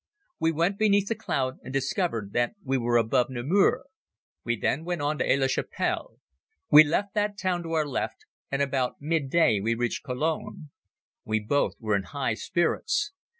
We went beneath the cloud and discovered that we were above Namur. We then went on to Aix la Chapelle. We left that town to our left and about mid day we reached Cologne. We both were in high spirits.